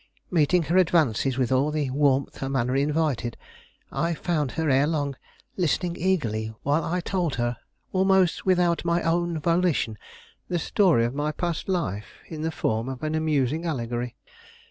Meeting her advances with all the warmth her manner invited, I found her ere long listening eagerly while I told her, almost without my own volition, the story of my past life, in the form of an amusing allegory.